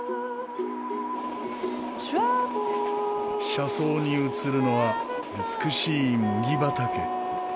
車窓に映るのは美しい麦畑。